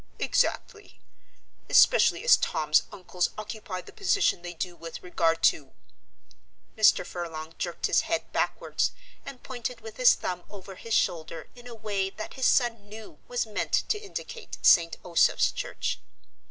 "Exactly; especially as Tom's uncles occupy the position they do with regard to " Mr. Furlong jerked his head backwards and pointed with his thumb over his shoulder in a way that his son knew was meant to indicate St. Osoph's Church.